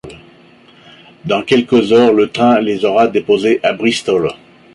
Dans quelques heures le train les aura déposés à Bristol.